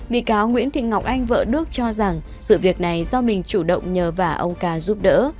bị cáo nguyễn thị ngọc anh vợ đước cho rằng sự việc này do mình chủ động nhờ vả ông ca giúp đỡ